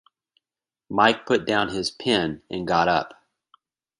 Mike put down his pen, and got up.